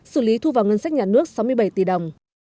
xử lý thu vào ngân sách nhà nước sáu mươi bảy tỷ đồng